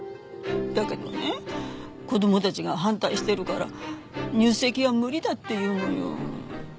だけどね子供たちが反対してるから入籍は無理だって言うのよ。